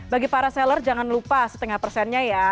bagi para seller jangan lupa setengah persennya ya